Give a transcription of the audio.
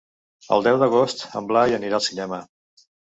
El deu d'agost en Blai anirà al cinema.